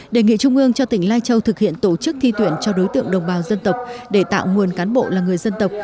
đề nghị trung ương cho tỉnh lai châu thực hiện tổ chức thi tuyển cho đối tượng đồng bào dân tộc để tạo nguồn cán bộ là người dân tộc